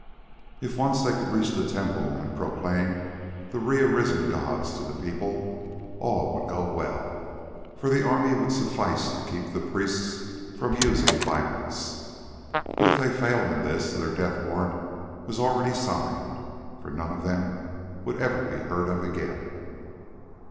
If once they could reach the temple and proclaim the re arisen gods to the people, all would go well, for the army would suffice to keep the priests from using violence. But if they failed in this, their death warrant was already signed, for none of them would ever be heard of again.